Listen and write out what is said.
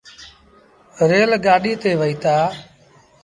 ريل گآڏيٚ تي وهيتآ۔